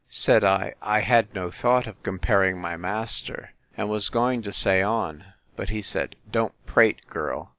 Said I, I had no thought of comparing my master—and was going to say on: but he said, Don't prate, girl!